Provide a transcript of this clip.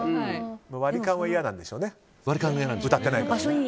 割り勘は嫌なんでしょうね。